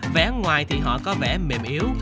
vẻ ngoài thì họ có vẻ mềm yếu